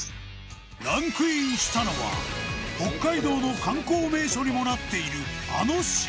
ランクインしたのは北海道の観光名所にもなっているあの城